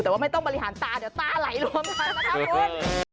แต่ว่าไม่ต้องบริหารตาเดี๋ยวตาไหลล้วมมาถ้าคุณ